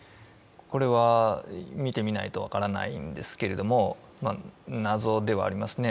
これは見てみないと分からないんですけど、謎ではありますね。